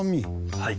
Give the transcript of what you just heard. はい。